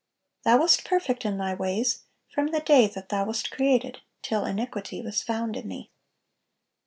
Thou wast perfect in thy ways from the day that thou wast created, till iniquity was found in thee."